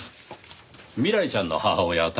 未来ちゃんの母親